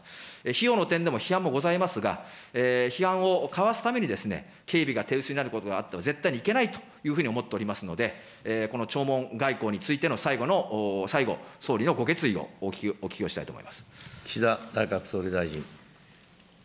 費用の点でも、批判もございますが、批判をかわすために、警備が手薄になることがあっては絶対にいけないというふうに思っておりますので、この弔問外交についての最後の最後、総理のご決意をお聞きをした岸田内閣総理大臣。